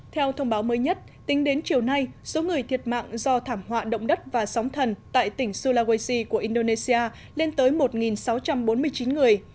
theo thông báo mới nhất tính đến chiều nay số người thiệt mạng do thảm họa động đất và sóng thần tại tỉnh sulawesi của indonesia lên tới một sáu trăm bốn mươi chín người